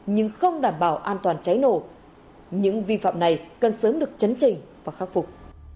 nhưng không đảm bảo an toàn cháy nổ những vi phạm này cần sớm được chấn trình và khắc phục